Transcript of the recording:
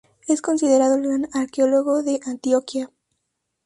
Es considerado el gran arqueólogo de Antioquia.